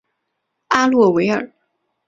阿洛维尔。